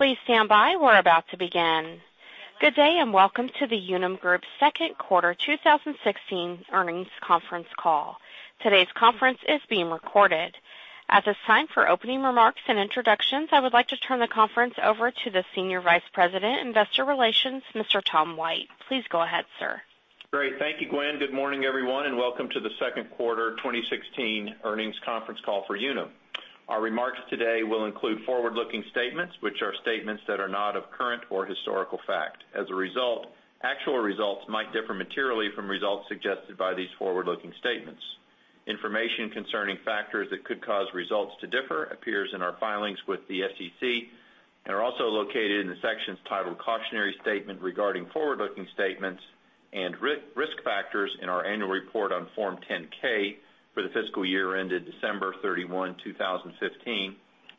Please stand by. We're about to begin. Good day, welcome to the Unum Group second quarter 2016 earnings conference call. Today's conference is being recorded. At this time for opening remarks and introductions, I would like to turn the conference over to the senior vice president investor relations, Mr. Tom White. Please go ahead, sir. Great. Thank you, Gwen. Good morning, everyone, welcome to the second quarter 2016 earnings conference call for Unum. Our remarks today will include forward-looking statements, which are statements that are not of current or historical fact. As a result, actual results might differ materially from results suggested by these forward-looking statements. Information concerning factors that could cause results to differ appears in our filings with the SEC and are also located in the sections titled Cautionary Statement regarding Forward-Looking Statements and Risk Factors in our annual report on Form 10-K for the fiscal year ended December 31, 2015,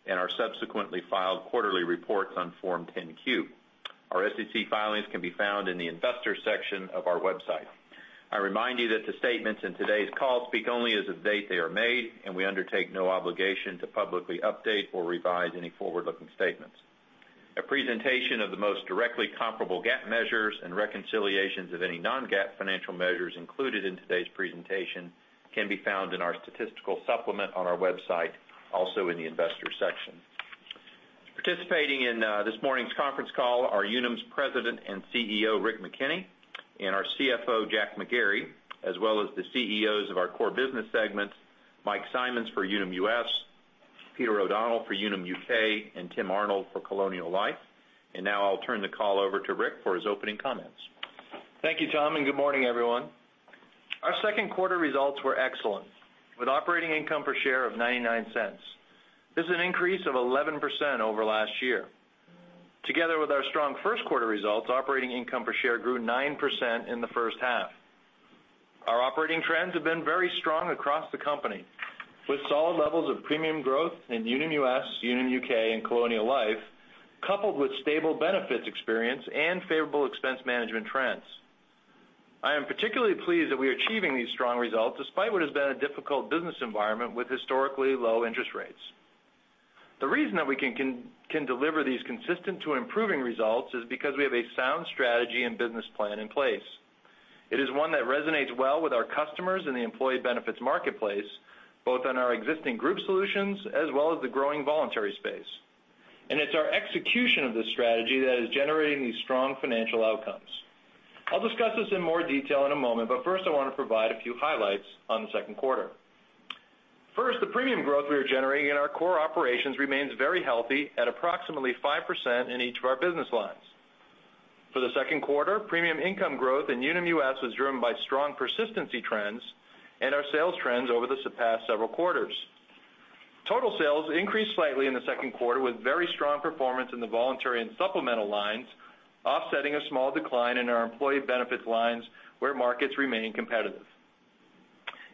and our subsequently filed quarterly reports on Form 10-Q. Our SEC filings can be found in the Investors section of our website. I remind you that the statements in today's call speak only as of the date they are made, we undertake no obligation to publicly update or revise any forward-looking statements. A presentation of the most directly comparable GAAP measures and reconciliations of any non-GAAP financial measures included in today's presentation can be found in our statistical supplement on our website, also in the Investors section. Participating in this morning's conference call are Unum's President and CEO, Rick McKenney, our CFO, Jack McGarry, as well as the CEOs of our core business segments, Mike Simonds for Unum US, Peter O'Donnell for Unum UK, and Tim Arnold for Colonial Life. Now I'll turn the call over to Rick for his opening comments. Thank you, Tom, good morning, everyone. Our second quarter results were excellent, with operating income per share of $0.99. This is an increase of 11% over last year. Together with our strong first quarter results, operating income per share grew 9% in the first half. Our operating trends have been very strong across the company, with solid levels of premium growth in Unum US, Unum UK, and Colonial Life, coupled with stable benefits experience and favorable expense management trends. I am particularly pleased that we are achieving these strong results despite what has been a difficult business environment with historically low interest rates. The reason that we can deliver these consistent to improving results is because we have a sound strategy and business plan in place. It is one that resonates well with our customers in the employee benefits marketplace, both on our existing group solutions as well as the growing voluntary space. It's our execution of this strategy that is generating these strong financial outcomes. I'll discuss this in more detail in a moment, first I want to provide a few highlights on the second quarter. First, the premium growth we are generating in our core operations remains very healthy at approximately 5% in each of our business lines. For the second quarter, premium income growth in Unum US was driven by strong persistency trends and our sales trends over the past several quarters. Total sales increased slightly in the second quarter with very strong performance in the voluntary and supplemental lines, offsetting a small decline in our employee benefits lines where markets remain competitive.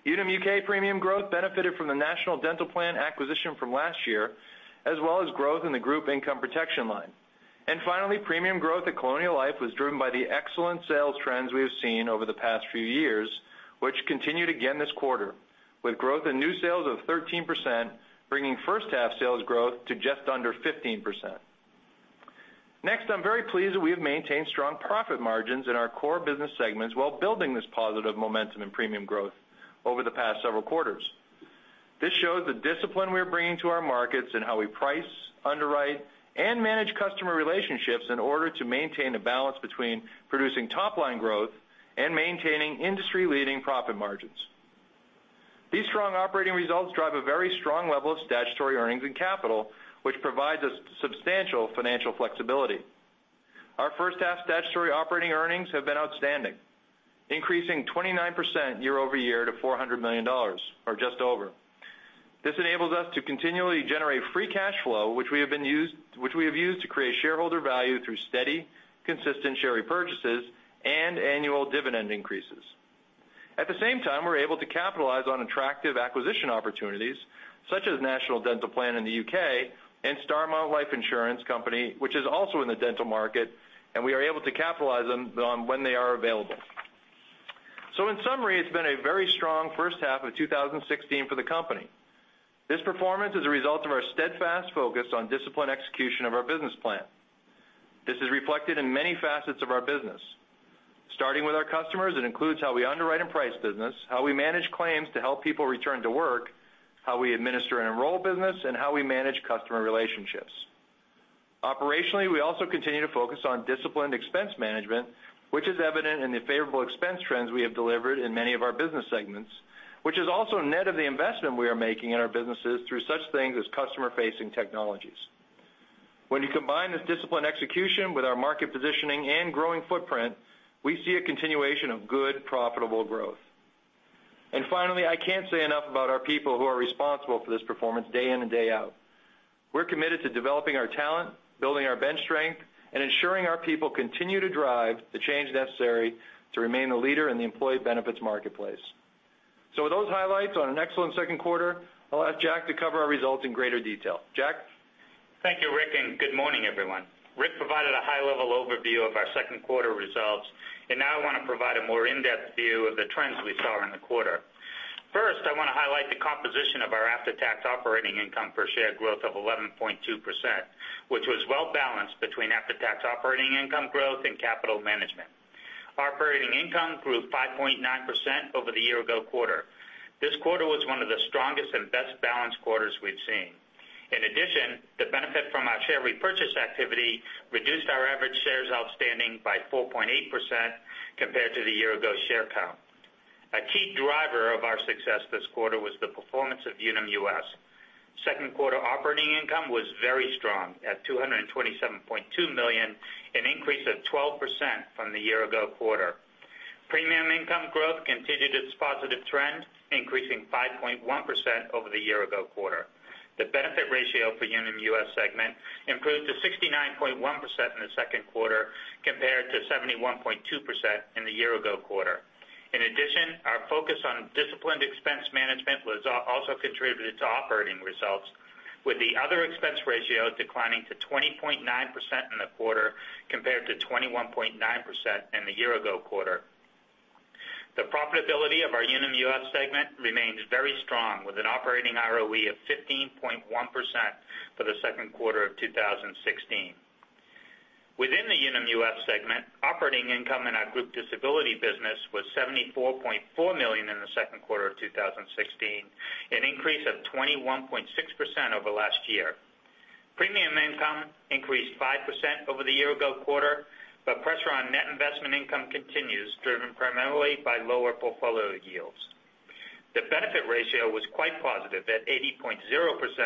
Unum UK premium growth benefited from the National Dental Plan acquisition from last year, as well as growth in the group income protection line. Finally, premium growth at Colonial Life was driven by the excellent sales trends we have seen over the past few years, which continued again this quarter, with growth in new sales of 13%, bringing first half sales growth to just under 15%. Next, I'm very pleased that we have maintained strong profit margins in our core business segments while building this positive momentum and premium growth over the past several quarters. This shows the discipline we're bringing to our markets and how we price, underwrite, and manage customer relationships in order to maintain a balance between producing top-line growth and maintaining industry-leading profit margins. These strong operating results drive a very strong level of statutory earnings and capital, which provides us substantial financial flexibility. Our first half statutory operating earnings have been outstanding, increasing 29% year-over-year to $400 million, or just over. This enables us to continually generate free cash flow, which we have used to create shareholder value through steady, consistent share repurchases and annual dividend increases. At the same time, we're able to capitalize on attractive acquisition opportunities such as National Dental Plan in the U.K. and Starmount Life Insurance Company, which is also in the dental market, and we are able to capitalize them when they are available. In summary, it's been a very strong first half of 2016 for the company. This performance is a result of our steadfast focus on disciplined execution of our business plan. This is reflected in many facets of our business. Starting with our customers, it includes how we underwrite and price business, how we manage claims to help people return to work, how we administer and enroll business, and how we manage customer relationships. Operationally, we also continue to focus on disciplined expense management, which is evident in the favorable expense trends we have delivered in many of our business segments, which is also net of the investment we are making in our businesses through such things as customer-facing technologies. When you combine this disciplined execution with our market positioning and growing footprint, we see a continuation of good, profitable growth. Finally, I can't say enough about our people who are responsible for this performance day in and day out. We're committed to developing our talent, building our bench strength, and ensuring our people continue to drive the change necessary to remain a leader in the employee benefits marketplace. With those highlights on an excellent second quarter, I'll ask Jack to cover our results in greater detail. Jack? Thank you, Rick, and good morning, everyone. I'll provide an overview of our second quarter results. Now I want to provide a more in-depth view of the trends we saw in the quarter. First, I want to highlight the composition of our after-tax operating income per share growth of 11.2%, which was well-balanced between after-tax operating income growth and capital management. Our operating income grew 5.9% over the year-ago quarter. This quarter was one of the strongest and best-balanced quarters we've seen. In addition, the benefit from our share repurchase activity reduced our average shares outstanding by 4.8% compared to the year-ago share count. A key driver of our success this quarter was the performance of Unum US. Second quarter operating income was very strong at $227.2 million, an increase of 12% from the year-ago quarter. Premium income growth continued its positive trend, increasing 5.1% over the year-ago quarter. The benefit ratio for Unum US segment improved to 69.1% in the second quarter compared to 71.2% in the year-ago quarter. In addition, our focus on disciplined expense management also contributed to operating results with the other expense ratio declining to 20.9% in the quarter compared to 21.9% in the year-ago quarter. The profitability of our Unum US segment remains very strong, with an operating ROE of 15.1% for the second quarter of 2016. Within the Unum US segment, operating income in our group disability business was $74.4 million in the second quarter of 2016, an increase of 21.6% over last year. Premium income increased 5% over the year-ago quarter, pressure on net investment income continues, driven primarily by lower portfolio yields. The benefit ratio was quite positive at 80.0%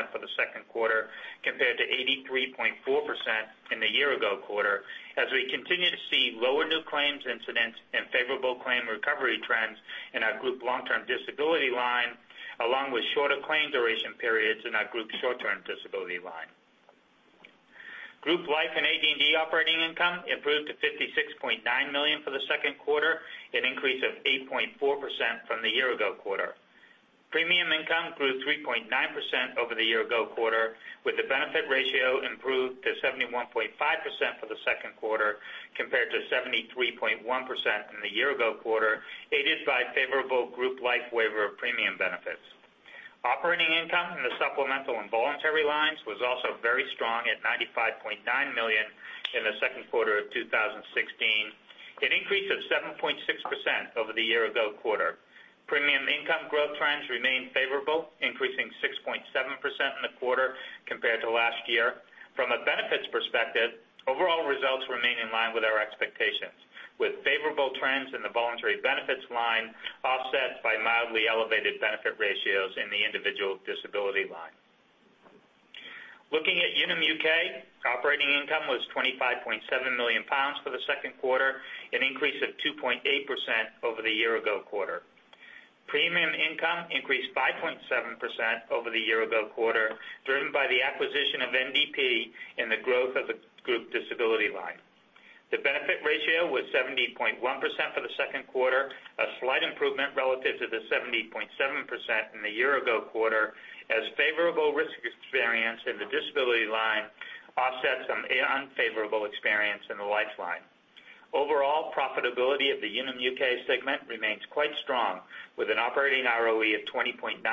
for the second quarter compared to 83.4% in the year-ago quarter, as we continue to see lower new claims incidents and favorable claim recovery trends in our group long-term disability line, along with shorter claim duration periods in our group short-term disability line. Group Life and AD&D operating income improved to $56.9 million for the second quarter, an increase of 8.4% from the year-ago quarter. Premium income grew 3.9% over the year-ago quarter, with the benefit ratio improved to 71.5% for the second quarter compared to 73.1% in the year-ago quarter, aided by favorable group life waiver of premium benefits. Operating income in the supplemental and voluntary lines was also very strong at $95.9 million in the second quarter of 2016, an increase of 7.6% over the year-ago quarter. Premium income growth trends remain favorable, increasing 6.7% in the quarter compared to last year. From a benefits perspective, overall results remain in line with our expectations, with favorable trends in the voluntary benefits line offset by mildly elevated benefit ratios in the individual disability line. Looking at Unum UK, operating income was 25.7 million pounds for the second quarter, an increase of 2.8% over the year-ago quarter. Premium income increased 5.7% over the year-ago quarter, driven by the acquisition of NDP and the growth of the group disability line. The benefit ratio was 70.1% for the second quarter, a slight improvement relative to the 70.7% in the year-ago quarter as favorable risk experience in the disability line offset some unfavorable experience in the life line. Overall profitability of the Unum UK segment remains quite strong, with an operating ROE of 20.9%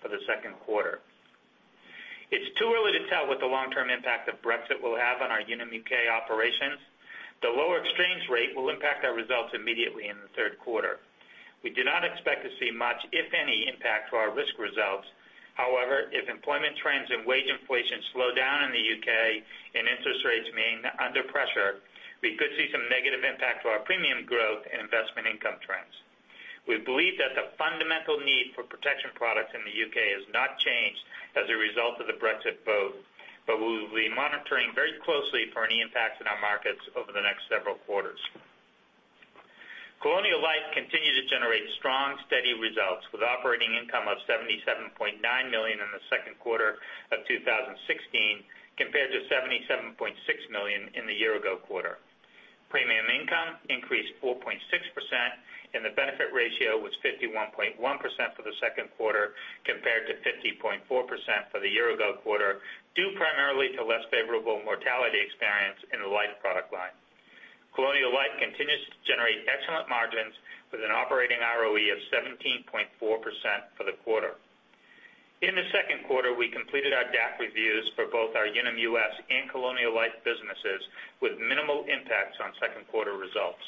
for the second quarter. It's too early to tell what the long-term impact of Brexit will have on our Unum UK operations. The lower exchange rate will impact our results immediately in the third quarter. We do not expect to see much, if any, impact to our risk results. However, if employment trends and wage inflation slow down in the U.K. and interest rates remain under pressure, we could see some negative impact to our premium growth and investment income trends. We believe that the fundamental need for protection products in the U.K. has not changed as a result of the Brexit vote, but we will be monitoring very closely for any impacts in our markets over the next several quarters. Colonial Life continued to generate strong, steady results with operating income of $77.9 million in the second quarter of 2016 compared to $77.6 million in the year-ago quarter. Premium income increased 4.6% and the benefit ratio was 51.1% for the second quarter compared to 50.4% for the year-ago quarter, due primarily to less favorable mortality experience in the life product line. Colonial Life continues to generate excellent margins with an operating ROE of 17.4% for the quarter. In the second quarter, we completed our DAC reviews for both our Unum US and Colonial Life businesses with minimal impacts on second quarter results.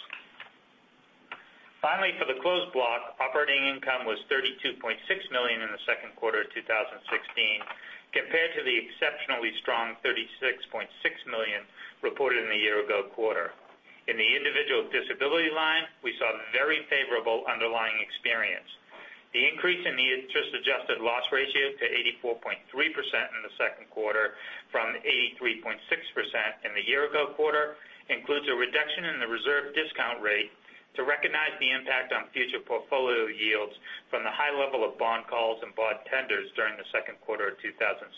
Finally, for the closed block, operating income was $32.6 million in the second quarter of 2016 compared to the exceptionally strong $36.6 million reported in the year-ago quarter. In the individual disability line, we saw very favorable underlying experience. The increase in the interest-adjusted loss ratio to 84.3% in the second quarter from 83.6% in the year-ago quarter includes a reduction in the reserve discount rate to recognize the impact on future portfolio yields from the high level of bond calls and bond tenders during the second quarter of 2016.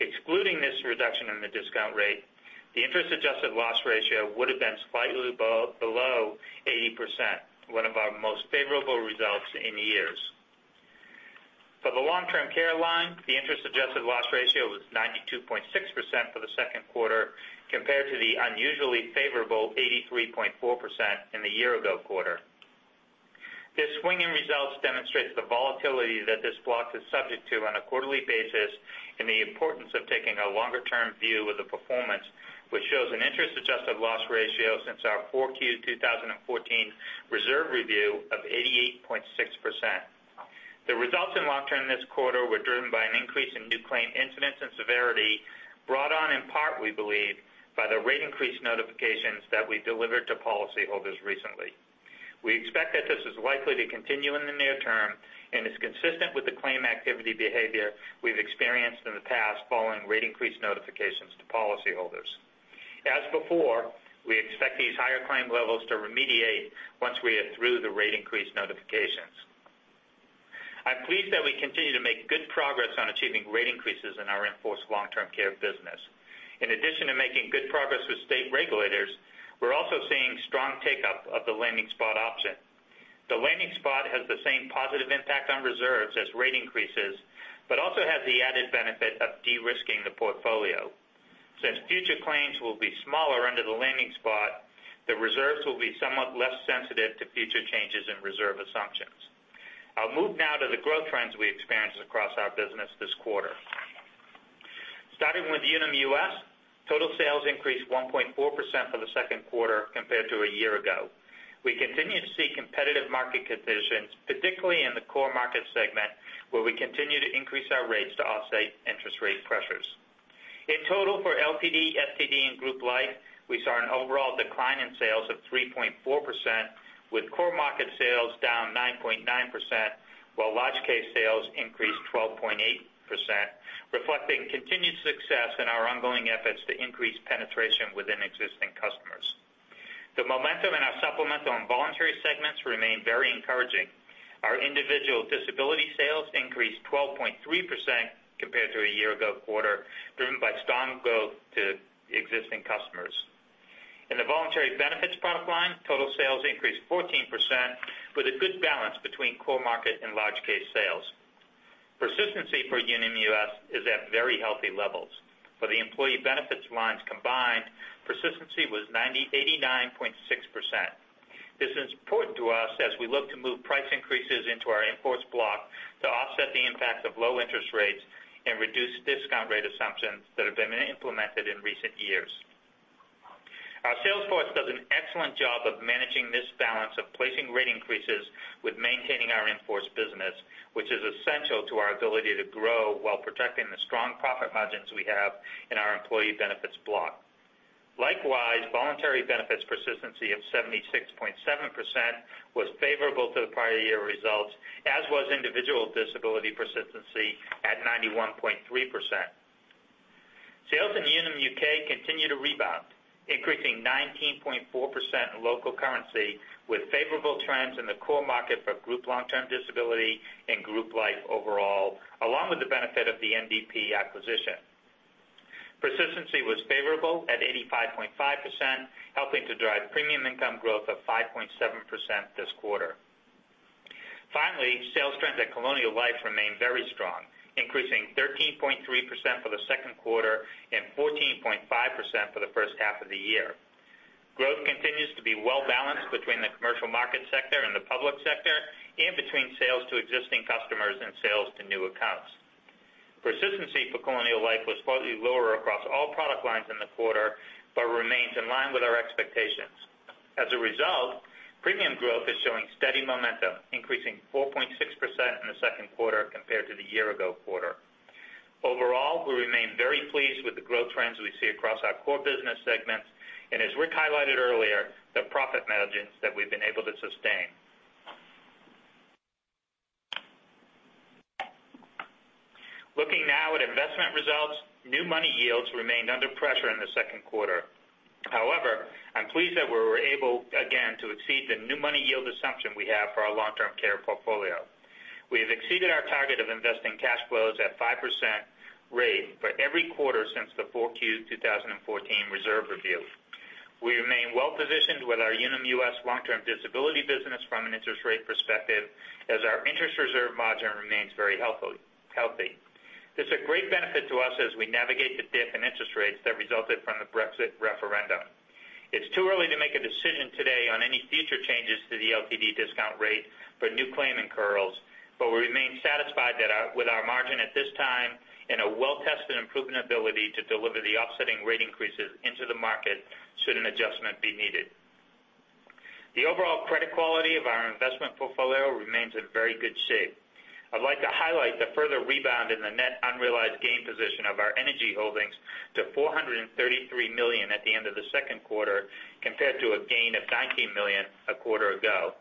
Excluding this reduction in the discount rate, the interest-adjusted loss ratio would have been slightly below 80%, one of our most favorable results in years. For the long-term care line, the interest-adjusted loss ratio was 92.6% for the second quarter, compared to the unusually favorable 83.4% in the year-ago quarter. This swing in results demonstrates the volatility that this block is subject to on a quarterly basis and the importance of taking a longer-term view of the performance, which shows an interest-adjusted loss ratio since our 4Q 2014 reserve review of 88.6%. The results in long-term this quarter were driven by an increase in new claim incidents and severity brought on in part, we believe, by the rate increase notifications that we delivered to policyholders recently. We expect that this is likely to continue in the near term and is consistent with the claim activity behavior we've experienced in the past following rate increase notifications to policyholders. As before, we expect these higher claim levels to remediate once we are through the rate increase notifications. I'm pleased that we continue to make good progress on achieving rate increases in our in-force long-term care business. In addition to making good progress with state regulators, we're also seeing strong take-up of the landing spot option. The landing spot has the same positive impact on reserves as rate increases, but also has the added benefit of de-risking the portfolio. Since future claims will be smaller under the landing spot, the reserves will be somewhat less sensitive to future changes in reserve assumptions. I'll move now to the growth trends we experienced across our business this quarter. Starting with Unum US, total sales increased 1.4% for the second quarter compared to a year-ago. We continue to see competitive market conditions, particularly in the core market segment, where we continue to increase our rates to offset interest rate pressures. In total for LTD, STD, and group life, we saw an overall decline in sales of 3.4%, with core market sales down 9.9%, while large case sales increased 12.8%, reflecting continued success in our ongoing efforts to increase penetration within existing customers. The momentum in our supplemental and voluntary segments remain very encouraging. Our individual disability sales increased 12.3% compared to a year-ago quarter, driven by strong growth to existing customers. In the voluntary benefits product line, total sales increased 14%, with a good balance between core market and large case sales. Persistency for Unum US is at very healthy levels. For the employee benefits lines combined, persistency was 89.6%. This is important to us as we look to move price increases into our in-force block to offset the impact of low interest rates and reduce discount rate assumptions that have been implemented in recent years. Our sales force does an excellent job of managing this balance of placing rate increases with maintaining our in-force business, which is essential to our ability to grow while protecting the strong profit margins we have in our employee benefits block. Likewise, voluntary benefits persistency of 76.7% was favorable to the prior year results, as was individual disability persistency at 91.3%. Sales in Unum UK continue to rebound, increasing 19.4% in local currency, with favorable trends in the core market for group long-term disability and group life overall, along with the benefit of the NDP acquisition. Persistency was favorable at 85.5%, helping to drive premium income growth of 5.7% this quarter. Finally, sales trends at Colonial Life remain very strong, increasing 13.3% for the second quarter and 14.5% for the first half of the year. Growth continues to be well-balanced between the commercial market sector and the public sector and between sales to existing customers and sales to new accounts. Persistency for Colonial Life was slightly lower across all product lines in the quarter, but remains in line with our expectations. As a result, premium growth is showing steady momentum, increasing 4.6% in the second quarter compared to the year-ago quarter. Overall, we remain very pleased with the growth trends we see across our core business segments and, as Rick highlighted earlier, the profit margins that we've been able to sustain. Looking now at investment results, new money yields remained under pressure in the second quarter. However, I'm pleased that we were able, again, to exceed the new money yield assumption we have for our long-term care portfolio. We have exceeded our target of investing cash flows at 5% rate for every quarter since the 4Q 2014 reserve review. We remain well-positioned with our Unum US long-term disability business from an interest rate perspective, as our interest reserve margin remains very healthy. It's a great benefit to us as we navigate the dip in interest rates that resulted from the Brexit referendum. It's too early to make a decision today on any future changes to the LTD discount rate for new claim incurrals. We remain satisfied with our margin at this time and a well-tested improvement ability to deliver the offsetting rate increases into the market should an adjustment be needed. The overall credit quality of our investment portfolio remains in very good shape. I'd like to highlight the further rebound in the net unrealized gain position of our energy holdings to $433 million at the end of the second quarter, compared to a gain of $19 million a quarter ago.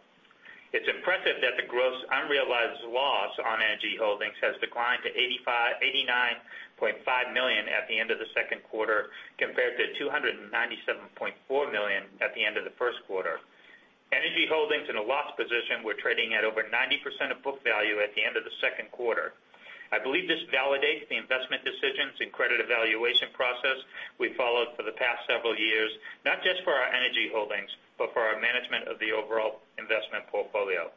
It's impressive that the gross unrealized loss on energy holdings has declined to $89.5 million at the end of the second quarter, compared to $297.4 million at the end of the first quarter. Energy holdings in a loss position were trading at over 90% of book value at the end of the second quarter. I believe this validates the investment decisions and credit evaluation process we followed for the past several years, not just for our energy holdings, but for our management of the overall investment portfolio.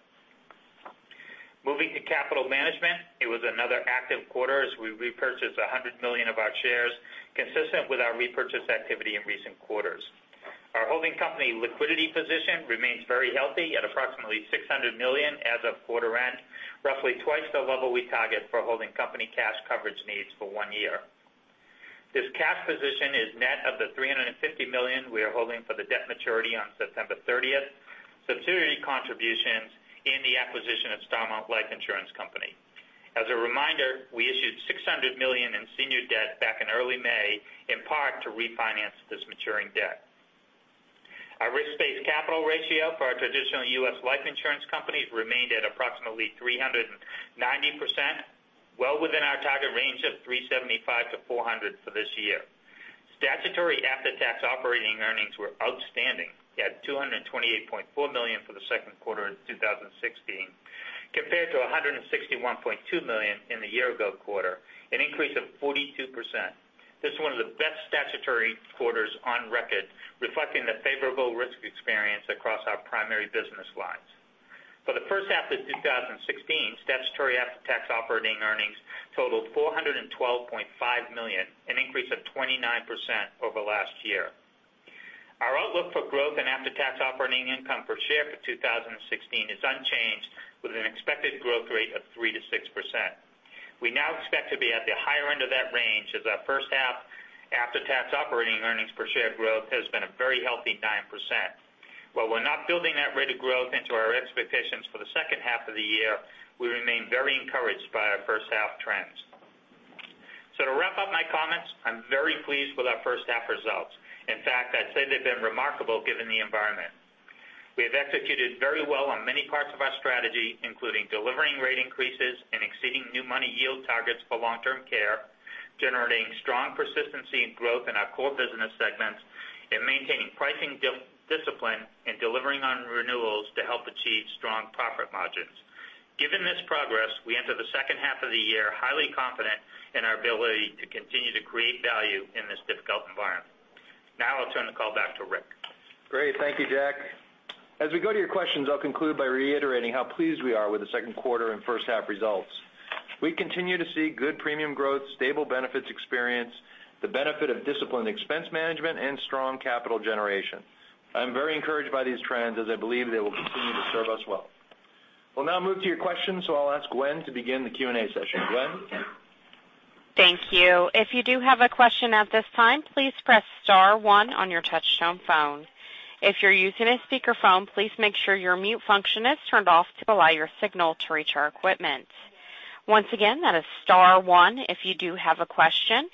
Moving to capital management, it was another active quarter as we repurchased $100 million of our shares, consistent with our repurchase activity in recent quarters. Our holding company liquidity position remains very healthy at approximately $600 million as of quarter end, roughly twice the level we target for holding company cash coverage needs for one year. This cash position is net of the $350 million we are holding for the debt maturity on September 30th, subsidiary contributions in the acquisition of Starmount Life Insurance Company. As a reminder, we issued $600 million in senior debt back in early May, in part to refinance this maturing debt. Our risk-based capital ratio for our traditional U.S. life insurance companies remained at approximately 390%, well within our target range of 375%-400% for this year. Statutory after-tax operating earnings were outstanding at $228.4 million for the second quarter of 2016 compared to $161.2 million in the year-ago quarter, an increase of 42%. This is one of the best statutory quarters on record, reflecting the favorable risk experience across our primary business lines. For the first half of 2016, statutory after-tax operating earnings totaled $412.5 million, an increase of 29% over last year. Our outlook for growth and after-tax operating income per share for 2016 is unchanged, with an expected growth rate of 3%-6%. We now expect to be at the higher end of that range as our first half after-tax operating earnings per share growth has been a very healthy 9%. While we're not building that rate of growth into our expectations for the second half of the year, we remain very encouraged by our first half trends. To wrap up my comments, I'm very pleased with our first half results. In fact, I'd say they've been remarkable given the environment. We have executed very well on many parts of our strategy, including delivering rate increases and exceeding new money yield targets for long-term care, generating strong persistency and growth in our core business segments, and maintaining pricing discipline and delivering on renewals to help achieve strong profit margins. Given this progress, we enter the second half of the year highly confident in our ability to continue to create value in this difficult environment. I'll turn the call back to Rick. Great. Thank you, Jack. As we go to your questions, I'll conclude by reiterating how pleased we are with the second quarter and first half results. We continue to see good premium growth, stable benefits experience, the benefit of disciplined expense management, and strong capital generation. I'm very encouraged by these trends as I believe they will continue to serve us well. We'll now move to your questions, I'll ask Gwen to begin the Q&A session. Gwen? Thank you. If you do have a question at this time, please press star 1 on your touchtone phone. If you're using a speakerphone, please make sure your mute function is turned off to allow your signal to reach our equipment. Once again, that is star 1 if you do have a question,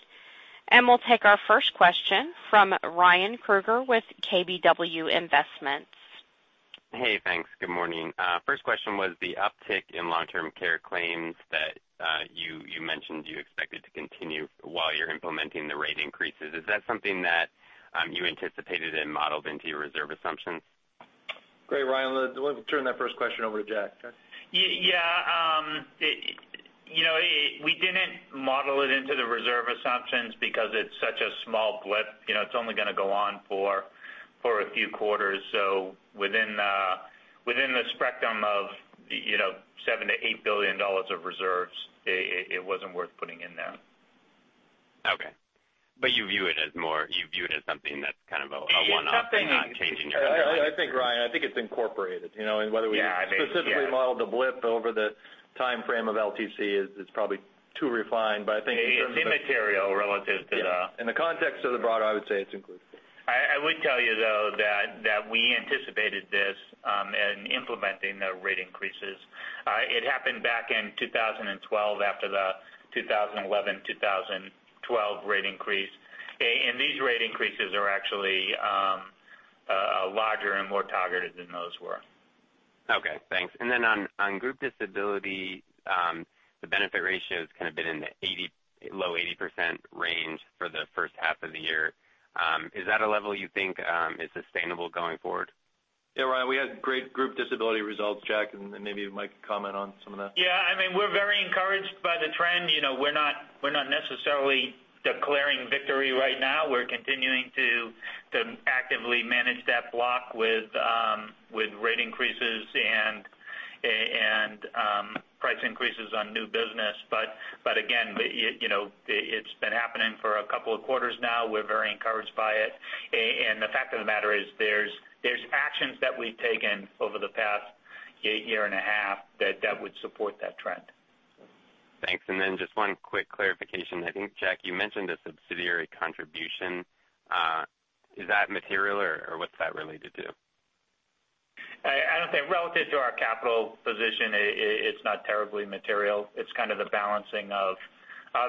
we'll take our first question from Ryan Krueger with KBW. Hey, thanks. Good morning. First question, was the uptick in long-term care claims that you mentioned you expected to continue while you're implementing the rate increases, is that something that you anticipated and modeled into your reserve assumptions? Great, Ryan. Let me turn that first question over to Jack. Jack? Yeah. We didn't model it into the reserve assumptions because it's such a small blip. It's only going to go on for a few quarters. Within the spectrum of $7 billion-$8 billion of reserves, it wasn't worth putting in there. Okay. You view it as something that's kind of a one-off, you're not changing your- It's something- I think, Ryan, I think it's incorporated. Yeah. Whether we specifically modeled the blip over the timeframe of LTC is probably too refined. It's immaterial. In the context of the broader, I would say it's included. I would tell you, though, that we anticipated this in implementing the rate increases. It happened back in 2012 after the 2011-2012 rate increase. These rate increases are actually larger and more targeted than those were. Okay, thanks. On group disability, the benefit ratio's kind of been in the low 80% range for the first half of the year. Is that a level you think is sustainable going forward? Yeah, Ryan, we had great group disability results. Jack, and maybe Mike, comment on some of that. Yeah. I mean, we're very encouraged by the trend. We're not necessarily declaring victory right now. We're continuing to actively manage that block with rate increases and price increases on new business. Again, it's been happening for a couple of quarters now. We're very encouraged by it. The fact of the matter is there's actions that we've taken over the past year and a half that would support that trend. Thanks. Then just one quick clarification. I think, Jack, you mentioned a subsidiary contribution. Is that material, or what's that related to? I don't think relative to our capital position, it's not terribly material. It's kind of the balancing of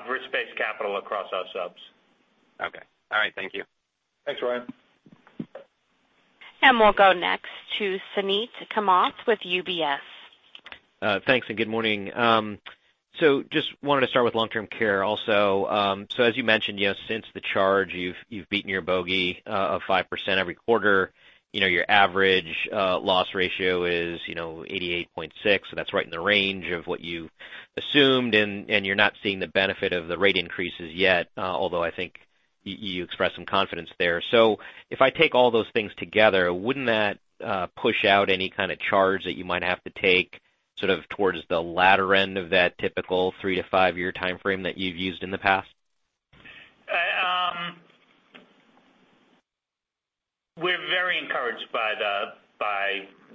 risk-based capital across our subs. Okay. All right. Thank you. Thanks, Ryan. We'll go next to Suneet Kamath with UBS. Thanks, and good morning. Just wanted to start with long-term care also. As you mentioned, since the charge, you've beaten your bogey of 5% every quarter. Your average loss ratio is 88.6%, that's right in the range of what you assumed, and you're not seeing the benefit of the rate increases yet. Although I think you expressed some confidence there. If I take all those things together, wouldn't that push out any kind of charge that you might have to take sort of towards the latter end of that typical 3-5-year timeframe that you've used in the past? We're very encouraged by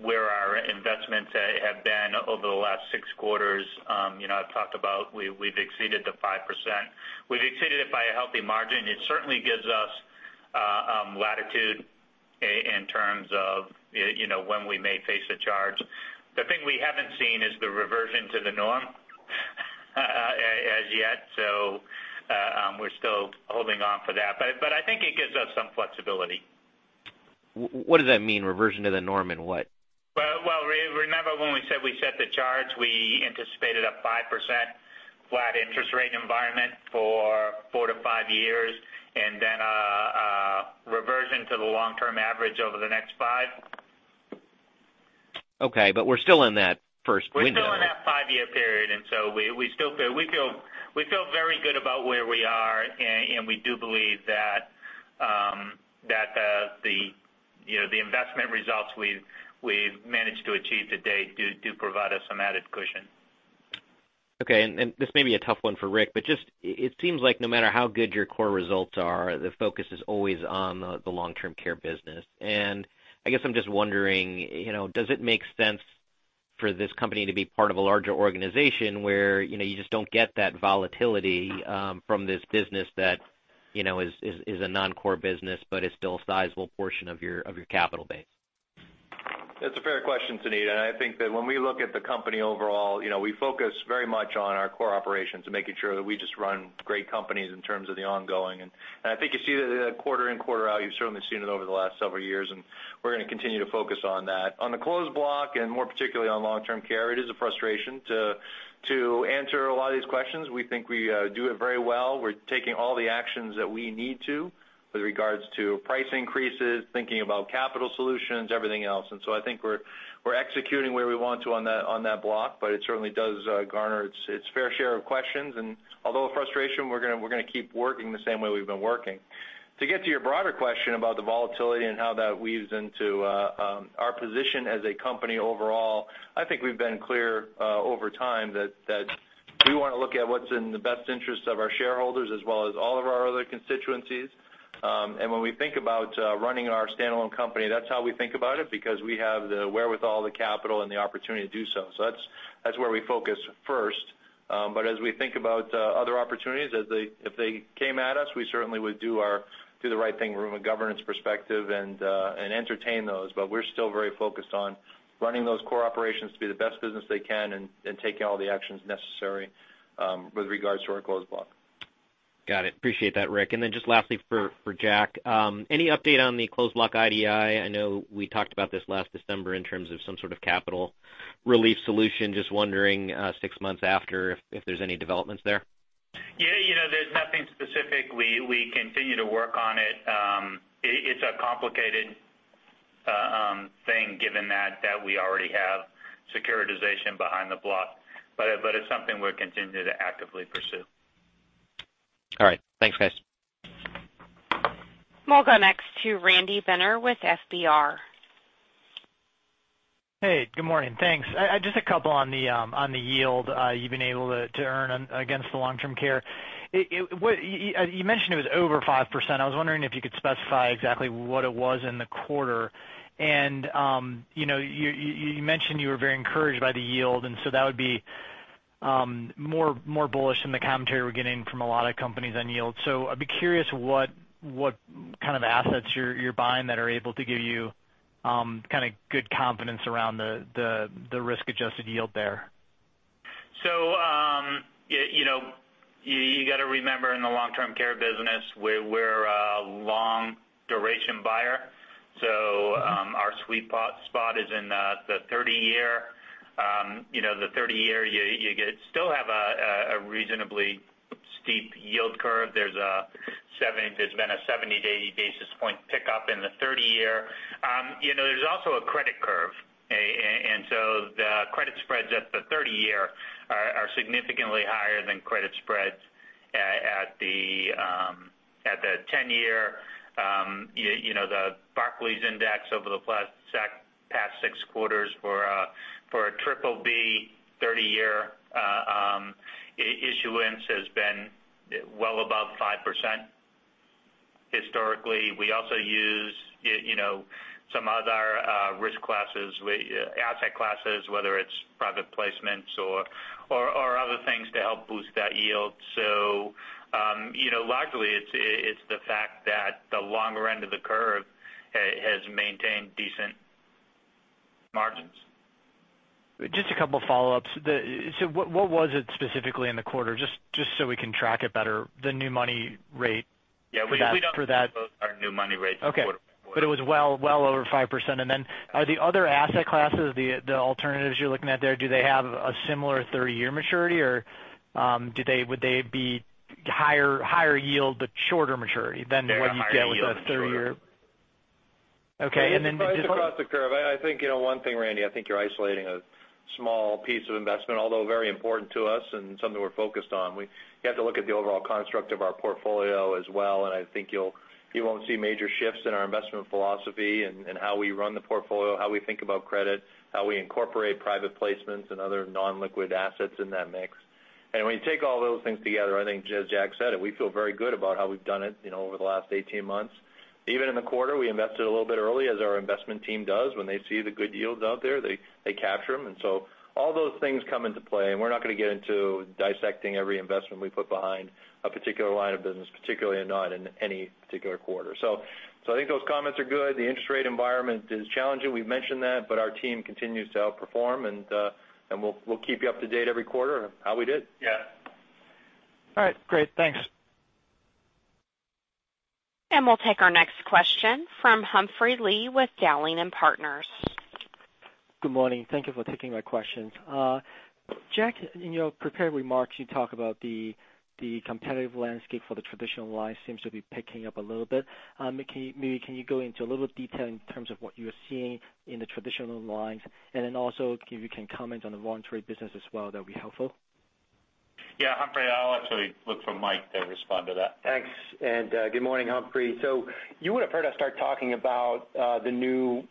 where our investments have been over the last six quarters. I've talked about we've exceeded the 5%. We've exceeded it by a healthy margin. It certainly gives us latitude in terms of when we may face a charge. The thing we haven't seen is the reversion to the norm as yet, so we're still holding on for that. I think it gives us some flexibility. What does that mean, reversion to the norm in what? Well, remember when we said we set the charge, we anticipated a 5% flat interest rate environment for four to five years, and then a reversion to the long-term average over the next five. Okay. We're still in that first window. We're still in that five-year period, and so we feel very good about where we are, and we do believe that the investment results we've managed to achieve to date do provide us some added cushion. Okay. This may be a tough one for Rick, just, it seems like no matter how good your core results are, the focus is always on the long-term care business. I guess I'm just wondering, does it make sense for this company to be part of a larger organization where you just don't get that volatility from this business that is a non-core business but is still a sizable portion of your capital base? That's a fair question, Suneet. I think that when we look at the company overall, we focus very much on our core operations and making sure that we just run great companies in terms of the ongoing. I think you see that quarter in, quarter out. You've certainly seen it over the last several years, and we're going to continue to focus on that. On the closed block, and more particularly on long-term care, it is a frustration to answer a lot of these questions. We think we do it very well. We're taking all the actions that we need to with regards to price increases, thinking about capital solutions, everything else. So I think we're executing where we want to on that block, it certainly does garner its fair share of questions. Although a frustration, we're going to keep working the same way we've been working. To get to your broader question about the volatility and how that weaves into our position as a company overall, I think we've been clear over time that we want to look at what's in the best interest of our shareholders as well as all of our other constituencies. When we think about running our standalone company, that's how we think about it, because we have the wherewithal, the capital, and the opportunity to do so. That's where we focus first. As we think about other opportunities, if they came at us, we certainly would do the right thing from a governance perspective and entertain those. We're still very focused on running those core operations to be the best business they can and taking all the actions necessary with regards to our closed block. Got it. Appreciate that, Rick. Just lastly for Jack, any update on the closed block IDI? I know we talked about this last December in terms of some sort of capital relief solution. Just wondering, six months after, if there's any developments there. There's nothing specific. We continue to work on it. It's a complicated thing given that we already have securitization behind the block. It's something we're continuing to actively pursue. All right. Thanks, guys. We'll go next to Randy Binner with FBR. Hey, good morning. Thanks. Just a couple on the yield you've been able to earn against the long-term care. You mentioned it was over 5%. I was wondering if you could specify exactly what it was in the quarter. You mentioned you were very encouraged by the yield, that would be more bullish than the commentary we're getting from a lot of companies on yield. I'd be curious what kind of assets you're buying that are able to give you kind of good confidence around the risk-adjusted yield there. You got to remember, in the long-term care business, we're a long-duration buyer. Our sweet spot is in the 30 year. The 30 year, you still have a reasonably steep yield curve. There's been a 70, 80 basis point pickup in the 30 year. There's also a credit curve. The credit spreads at the 30 year are significantly higher than credit spreads at the 10 year. The Barclays index over the past six quarters for a triple B 30-year issuance has been well above 5% historically. We also use some other risk classes, asset classes, whether it's private placements or other things to help boost that yield. Luckily, it's the fact that the longer end of the curve has maintained decent margins. Just a couple follow-ups. What was it specifically in the quarter, just so we can track it better, the new money rate after that? Yeah. We don't disclose our new money rates quarter by quarter. It was well over 5%. Are the other asset classes, the alternatives you're looking at there, do they have a similar 30-year maturity, or would they be higher yield but shorter maturity than what you'd get with a 30 year? Okay, just one- Price across the curve. I think one thing, Randy, I think you're isolating a small piece of investment, although very important to us and something we're focused on. You have to look at the overall construct of our portfolio as well. I think you won't see major shifts in our investment philosophy and how we run the portfolio, how we think about credit, how we incorporate private placements and other non-liquid assets in that mix. When you take all those things together, I think as Jack said it, we feel very good about how we've done it over the last 18 months. Even in the quarter, we invested a little bit early, as our investment team does. When they see the good yields out there, they capture them. All those things come into play. We're not going to get into dissecting every investment we put behind a particular line of business, particularly or not in any particular quarter. I think those comments are good. The interest rate environment is challenging, we've mentioned that. Our team continues to outperform, and we'll keep you up to date every quarter on how we did. Yeah. All right, great. Thanks. We'll take our next question from Humphrey Lee with Dowling & Partners. Good morning. Thank you for taking my questions. Jack, in your prepared remarks, you talk about the competitive landscape for the traditional line seems to be picking up a little bit. Can you go into a little detail in terms of what you're seeing in the traditional lines, then also if you can comment on the voluntary business as well, that would be helpful. Yeah, Humphrey, I'll actually look for Mike to respond to that. Thanks, and good morning, Humphrey. You would have heard us start talking about the new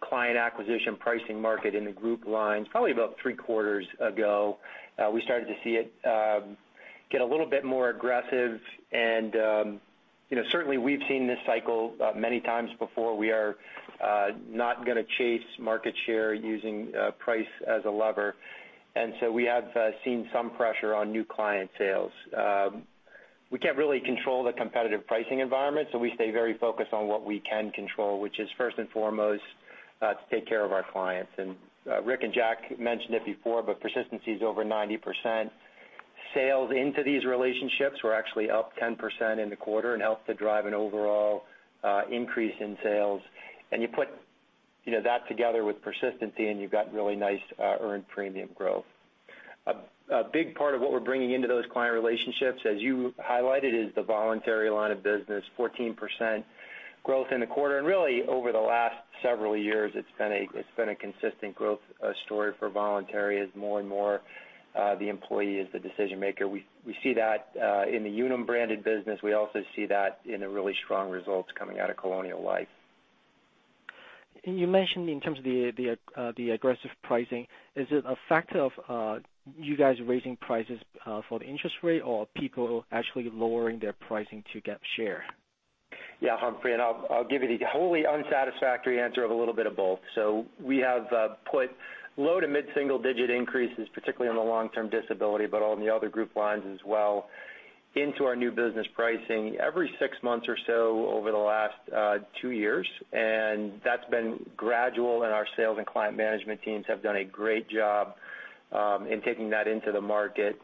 client acquisition pricing market in the group lines probably about three quarters ago. We started to see it get a little bit more aggressive, certainly we've seen this cycle many times before. We are not going to chase market share using price as a lever. So we have seen some pressure on new client sales. We can't really control the competitive pricing environment, so we stay very focused on what we can control, which is first and foremost to take care of our clients. Rick and Jack mentioned it before, but persistency is over 90%. Sales into these relationships were actually up 10% in the quarter and helped to drive an overall increase in sales. You put that together with persistency, and you've got really nice earned premium growth. A big part of what we're bringing into those client relationships, as you highlighted, is the voluntary line of business, 14% growth in the quarter. Really over the last several years, it's been a consistent growth story for voluntary as more and more the employee is the decision maker. We see that in the Unum-branded business. We also see that in the really strong results coming out of Colonial Life. You mentioned in terms of the aggressive pricing, is it a factor of you guys raising prices for the interest rate or people actually lowering their pricing to get share? Yeah, Humphrey, I'll give you the wholly unsatisfactory answer of a little bit of both. We have put low to mid single digit increases, particularly on the long-term disability, but on the other group lines as well, into our new business pricing every six months or so over the last two years. That's been gradual, and our sales and client management teams have done a great job in taking that into the market.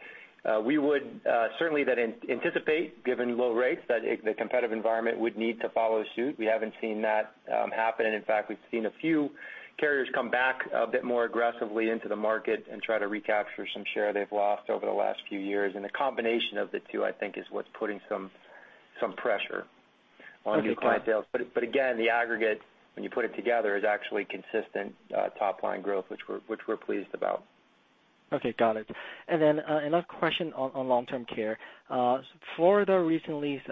We would certainly then anticipate, given low rates, that the competitive environment would need to follow suit. We haven't seen that happen. In fact, we've seen a few carriers come back a bit more aggressively into the market and try to recapture some share they've lost over the last few years. The combination of the two, I think, is what's putting some pressure on new client sales. Again, the aggregate, when you put it together, is actually consistent top-line growth, which we're pleased about. Okay, got it. Then another question on long-term care. Florida recently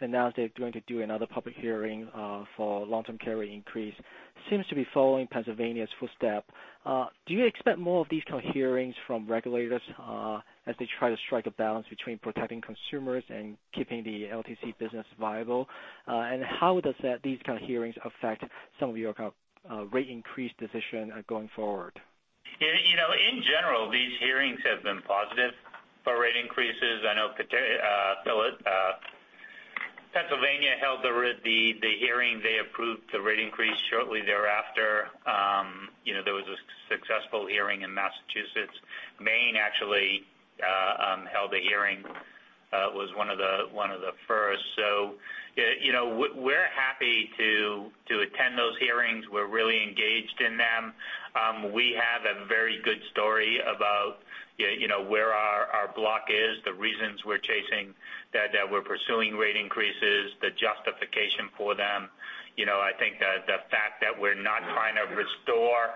announced they're going to do another public hearing for long-term care rate increase, seems to be following Pennsylvania's footstep. Do you expect more of these kind of hearings from regulators as they try to strike a balance between protecting consumers and keeping the LTC business viable? How does these kind of hearings affect some of your rate increase decision going forward? In general, these hearings have been positive for rate increases. I know Pennsylvania held the hearing. They approved the rate increase shortly thereafter. There was a successful hearing in Massachusetts. Maine actually held a hearing, was one of the first. We're happy to attend those hearings. We're really engaged in them. We have a very good story about where our block is, the reasons we're pursuing rate increases, the justification for them. I think the fact that we're not trying to restore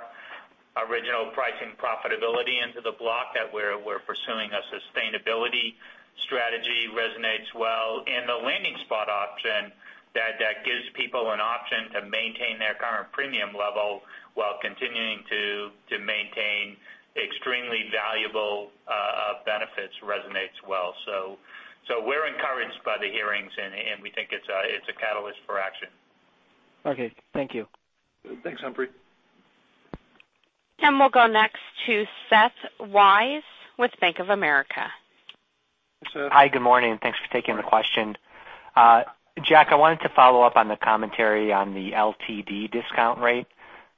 original pricing profitability into the block, that we're pursuing a sustainability strategy resonates well. The landing spot option that gives people an option to maintain their current premium level while continuing to maintain extremely valuable benefits resonates well. We're encouraged by the hearings, we think it's a catalyst for action. Okay. Thank you. Thanks, Humphrey. We'll go next to Seth Weiss with Bank of America. Hey, Seth. Hi, good morning, and thanks for taking the question. Jack, I wanted to follow up on the commentary on the LTD discount rate.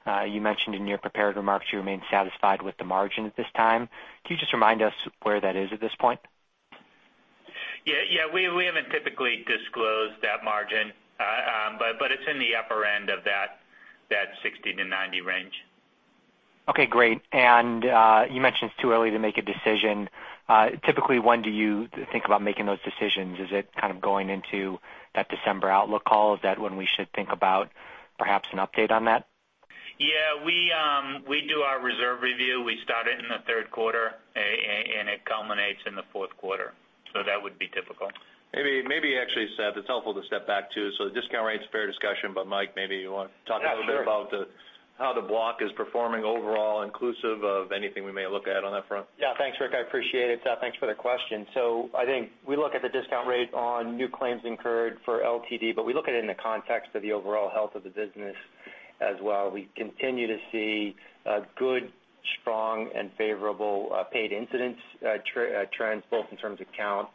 You mentioned in your prepared remarks you remain satisfied with the margin at this time. Can you just remind us where that is at this point? Yeah. We haven't typically disclosed that margin, but it's in the upper end of that 60 to 90 range. Okay, great. You mentioned it's too early to make a decision. Typically, when do you think about making those decisions? Is it kind of going into that December outlook call? Is that when we should think about perhaps an update on that? Yeah. We do our reserve review. We start it in the third quarter, and it culminates in the fourth quarter, so that would be typical. Maybe actually, Seth, it's helpful to step back too. The discount rate's a fair discussion, Mike, maybe you want to talk a little bit about how the block is performing overall, inclusive of anything we may look at on that front. Yeah. Thanks, Rick. I appreciate it. Seth, thanks for the question. I think we look at the discount rate on new claims incurred for LTD, we look at it in the context of the overall health of the business as well. We continue to see good, strong, and favorable paid incidence trends, both in terms of count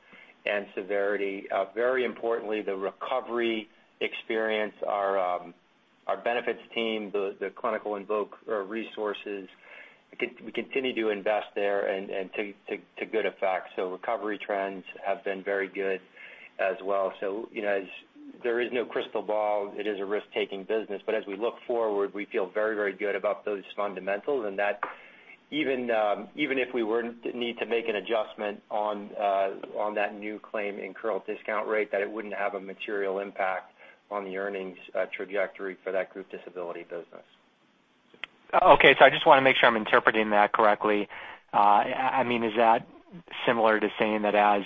and severity. Very importantly, the recovery experience, our benefits team, the clinical in-voc resources, we continue to invest there and to good effect. Recovery trends have been very good as well. There is no crystal ball. It is a risk-taking business. As we look forward, we feel very good about those fundamentals, and that even if we need to make an adjustment on that new claim incurred discount rate, that it wouldn't have a material impact on the earnings trajectory for that group disability business. Okay. I just want to make sure I'm interpreting that correctly. Is that similar to saying that as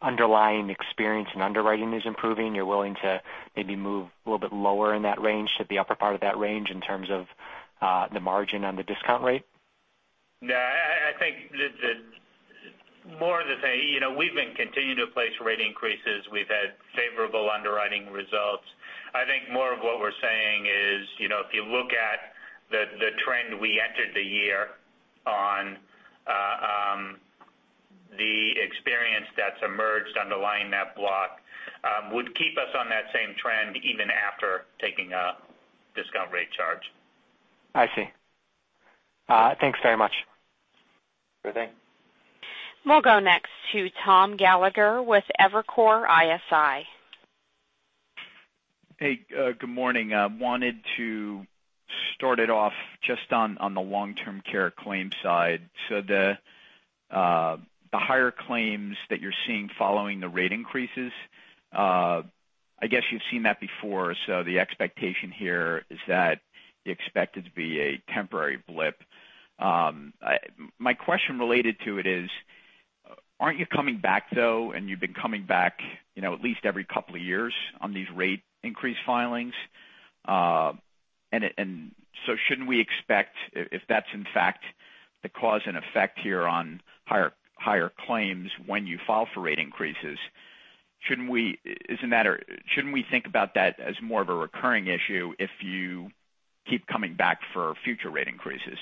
underlying experience and underwriting is improving, you're willing to maybe move a little bit lower in that range to the upper part of that range in terms of the margin on the discount rate? No, I think more the thing, we've been continuing to place rate increases. We've had favorable underwriting results. I think more of what we're saying is, if you look at the trend we entered the year on, the experience that's emerged underlying that block would keep us on that same trend even after taking a discount rate charge. I see. Thanks very much. Sure thing. We'll go next to Thomas Gallagher with Evercore ISI. Hey, good morning. I wanted to start it off just on the long-term care claims side. The higher claims that you're seeing following the rate increases, I guess you've seen that before. The expectation here is that you expect it to be a temporary blip. My question related to it is, aren't you coming back though, and you've been coming back at least every couple of years on these rate increase filings? Shouldn't we expect if that's in fact the cause and effect here on higher claims when you file for rate increases, shouldn't we think about that as more of a recurring issue if you keep coming back for future rate increases?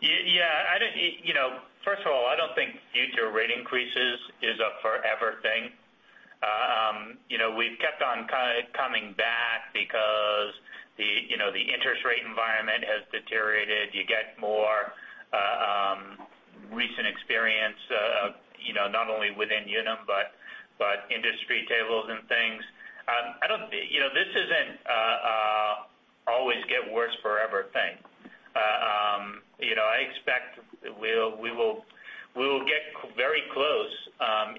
Yeah. First of all, I don't think future rate increases is a forever thing. We've kept on kind of coming back because the interest rate environment has deteriorated. You get more recent experience, not only within Unum, but industry tables and things. This isn't a always get worse forever thing. I expect we'll get very close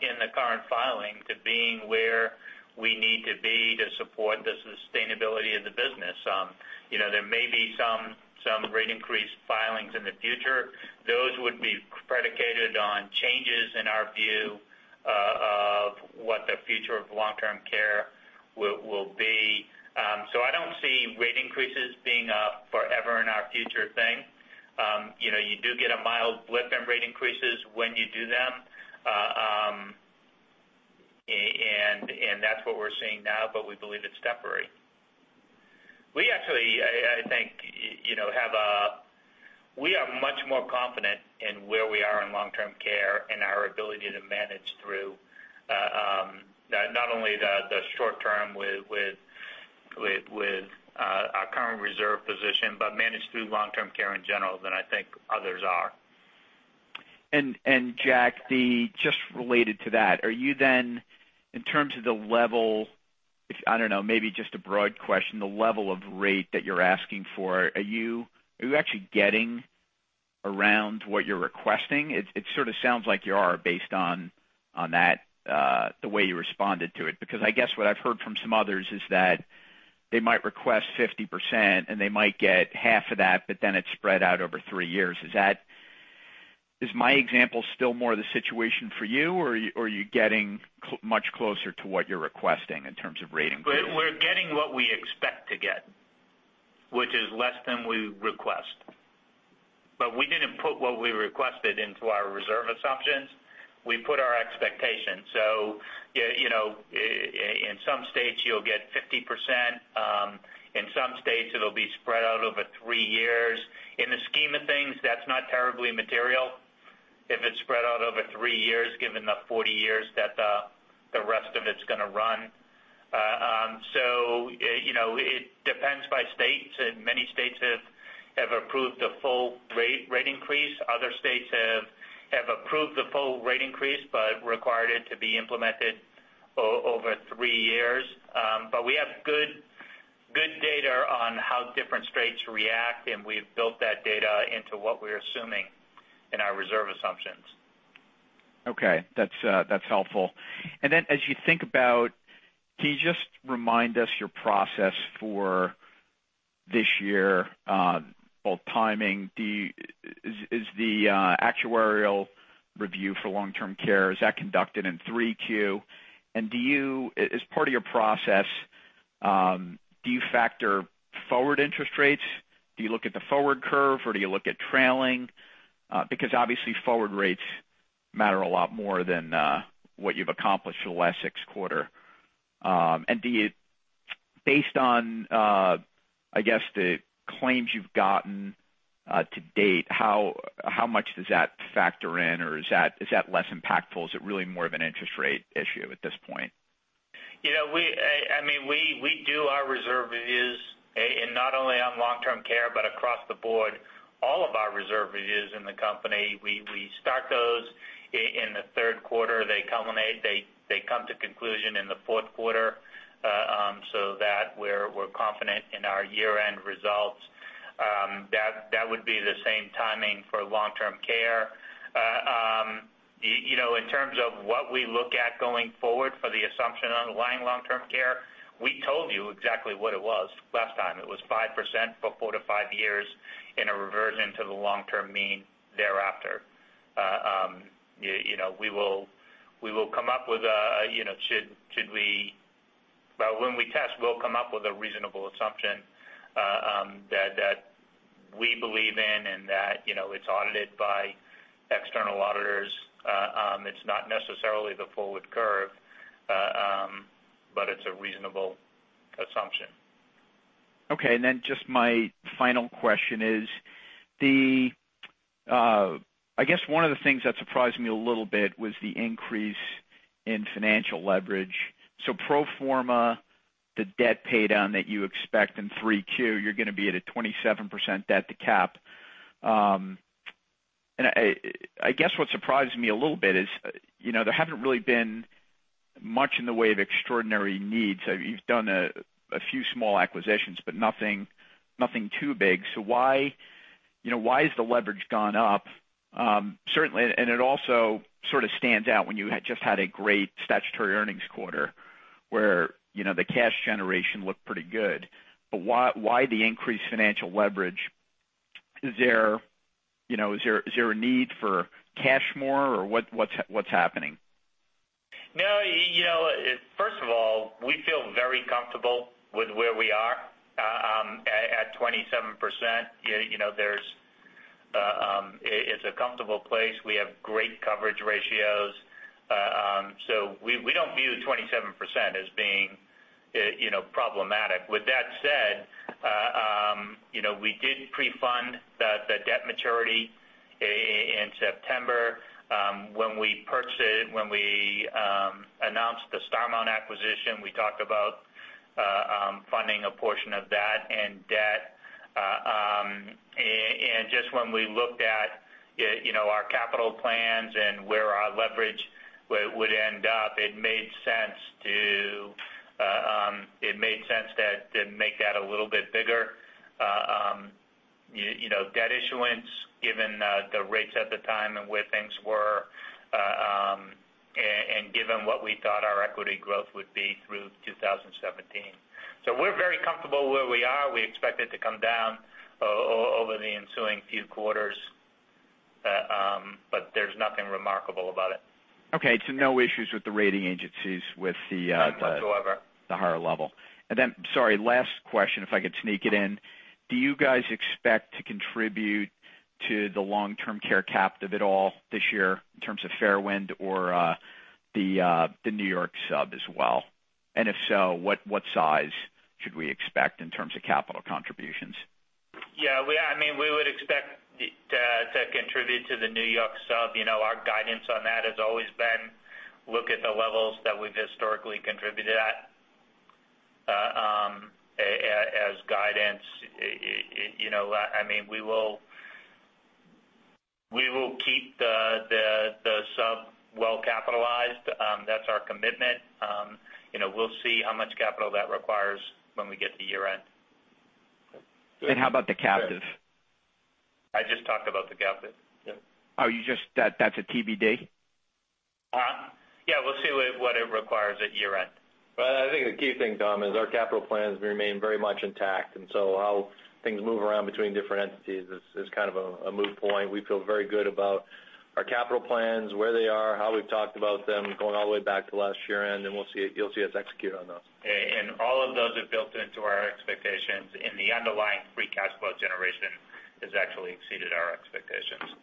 in the current filing to being where we need to be to support the sustainability of the business. There may be some rate increase filings in the future. Those would be predicated on changes in our view of what the future of long-term care will be. I don't see rate increases being a forever in our future thing. You do get a mild blip in rate increases when you do them. That's what we're seeing now, but we believe it's temporary. We actually, I think, we are much more confident in where we are in long-term care and our ability to manage through, not only the short-term with our current reserve position, but manage through long-term care in general, than I think others are. Jack, just related to that, are you then, in terms of the level, I don't know, maybe just a broad question, the level of rate that you're asking for, are you actually getting around what you're requesting? It sort of sounds like you are based on the way you responded to it, because I guess what I've heard from some others is that they might request 50% and they might get half of that, but then it's spread out over three years. Is my example still more the situation for you, or are you getting much closer to what you're requesting in terms of rate increase? We're getting what we expect to get, which is less than we request. We didn't put what we requested into our reserve assumptions. We put our expectations. In some states you'll get 50%, in some states it'll be spread out over three years. In the scheme of things, that's not terribly material if it's spread out over three years, given the 40 years that the rest of it's going to run. It depends by state. In many states have approved the full rate increase. Other states have approved the full rate increase, but required it to be implemented over three years. We have good data on how different states react, and we've built that data into what we're assuming in our reserve assumptions. Okay. That's helpful. As you think about, can you just remind us your process for this year, both timing. Is the actuarial review for long-term care, is that conducted in 3Q? As part of your process, do you factor forward interest rates? Do you look at the forward curve, or do you look at trailing? Because obviously forward rates matter a lot more than what you've accomplished in the last six quarter. Based on, I guess the claims you've gotten to date, how much does that factor in or is that less impactful? Is it really more of an interest rate issue at this point? We do our reserve reviews, not only on long-term care but across the board. All of our reserve reviews in the company, we start those in the third quarter. They come to conclusion in the fourth quarter, so that we're confident in our year-end results. That would be the same timing for long-term care. In terms of what we look at going forward for the assumption underlying long-term care, we told you exactly what it was last time. It was 5% for four to five years in a reversion to the long-term mean thereafter. When we test, we'll come up with a reasonable assumption that we believe in and that it's audited by external auditors. It's not necessarily the forward curve, but it's a reasonable assumption. My final question is, one of the things that surprised me a little bit was the increase in financial leverage. Pro forma, the debt pay down that you expect in 3Q, you're going to be at a 27% debt to cap. What surprised me a little bit is there haven't really been much in the way of extraordinary needs. You've done a few small acquisitions, but nothing too big. Why has the leverage gone up? It also sort of stands out when you had just had a great statutory earnings quarter where the cash generation looked pretty good. Why the increased financial leverage? Is there a need for cash more or what's happening? First of all, we feel very comfortable with where we are at 27%. It's a comfortable place. We have great coverage ratios. We don't view 27% as being problematic. With that said, we did pre-fund the debt maturity in September. When we announced the Starmount acquisition, we talked about funding a portion of that and debt. When we looked at our capital plans and where our leverage would end up, it made sense to make that a little bit bigger. Debt issuance, given the rates at the time and where things were, and given what we thought our equity growth would be through 2017. We're very comfortable where we are. We expect it to come down over the ensuing few quarters, but there's nothing remarkable about it. No issues with the rating agencies with the- None whatsoever the higher level. Sorry, last question, if I could sneak it in. Do you guys expect to contribute to the long-term care captive at all this year in terms of Fairwind or the N.Y. sub as well? If so, what size should we expect in terms of capital contributions? Yeah. We would expect to contribute to the N.Y. sub. Our guidance on that has always been look at the levels that we've historically contributed at as guidance. We will keep the sub well capitalized. That's our commitment. We'll see how much capital that requires when we get to year-end. How about the captive? I just talked about the captive. Yeah. Oh, that's a TBD? Yeah, we'll see what it requires at year-end. I think the key thing, Tom, is our capital plans remain very much intact, and so how things move around between different entities is kind of a moot point. We feel very good about our capital plans, where they are, how we've talked about them going all the way back to last year-end, and you'll see us execute on those. All of those are built into our expectations, and the underlying free cash flow generation has actually exceeded our expectations.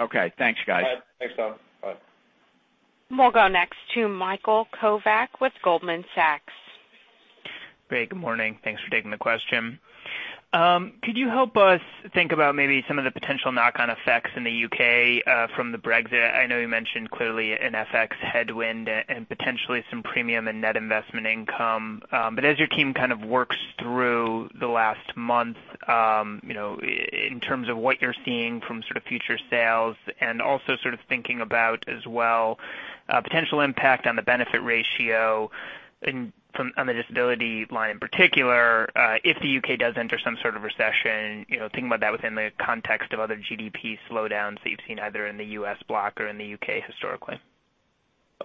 Okay. Thanks, guys. Thanks, Tom. Bye. We'll go next to Michael Kovac with Goldman Sachs. Great. Good morning. Thanks for taking the question. Could you help us think about maybe some of the potential knock-on effects in the U.K. from the Brexit? I know you mentioned clearly an FX headwind and potentially some premium and net investment income. As your team kind of works through the last month, in terms of what you're seeing from future sales and also thinking about as well, potential impact on the benefit ratio on the disability line in particular, if the U.K. does enter some sort of recession, thinking about that within the context of other GDP slowdowns that you've seen either in the U.S. block or in the U.K. historically.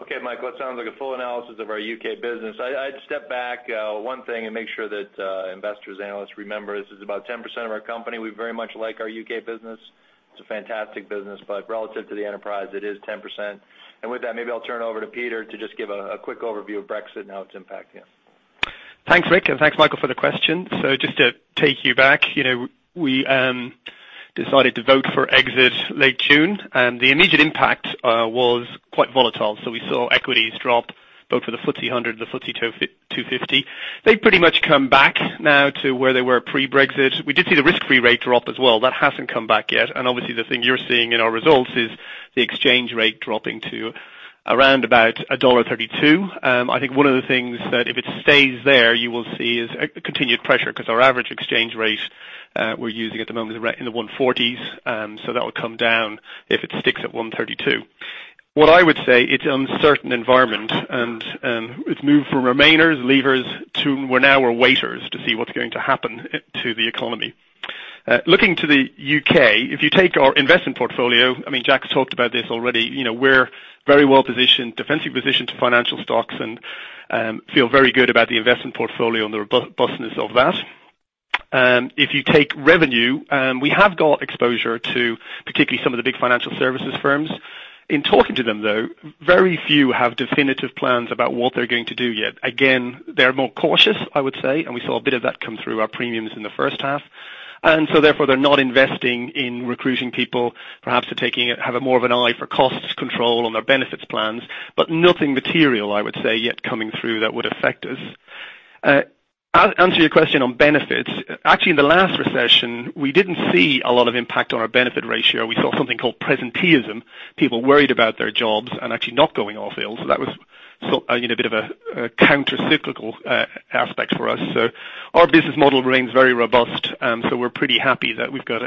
Okay, Mike, well, it sounds like a full analysis of our U.K. business. I'd step back one thing and make sure that investors, analysts remember this is about 10% of our company. We very much like our U.K. business. It's a fantastic business, but relative to the enterprise, it is 10%. With that, maybe I'll turn it over to Peter to just give a quick overview of Brexit and how it's impacting us. Thanks, Rick, and thanks, Michael, for the question. Just to take you back, we decided to vote for exit late June, the immediate impact was quite volatile. We saw equities drop, both for the FTSE 100 and the FTSE 250. They've pretty much come back now to where they were pre-Brexit. We did see the risk-free rate drop as well. That hasn't come back yet, obviously the thing you're seeing in our results is the exchange rate dropping to around about $1.32. I think one of the things that if it stays there, you will see is continued pressure because our average exchange rate we're using at the moment is right in the 1.40s. That would come down if it sticks at 1.32. What I would say, it's an uncertain environment, it's moved from remainers, leavers to now we're waiters to see what's going to happen to the economy. Looking to the U.K., if you take our investment portfolio, Jack's talked about this already. We're very well-positioned, defensively positioned to financial stocks and feel very good about the investment portfolio and the robustness of that. If you take revenue, we have got exposure to particularly some of the big financial services firms. In talking to them, though, very few have definitive plans about what they're going to do yet. Again, they're more cautious, I would say, we saw a bit of that come through our premiums in the first half. Therefore, they're not investing in recruiting people. Perhaps they're taking it, have more of an eye for cost control on their benefits plans, nothing material, I would say, yet coming through that would affect us. I'll answer your question on benefits. Actually, in the last recession, we didn't see a lot of impact on our benefit ratio. We saw something called presenteeism, people worried about their jobs and actually not going off ill. That was a bit of a countercyclical aspect for us. Our business model remains very robust, so we're pretty happy that we've got